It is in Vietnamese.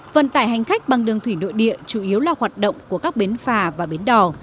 vận tải hành khách bằng đường thủy nội địa chủ yếu là hoạt động của các bến phà và bến đỏ